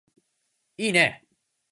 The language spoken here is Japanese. いーね